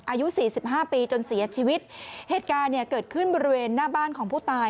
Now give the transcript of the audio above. อายุสี่สิบห้าปีจนเสียชีวิตเหตุการณ์เนี่ยเกิดขึ้นบริเวณหน้าบ้านของผู้ตาย